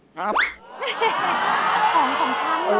ของของฉันเนอะ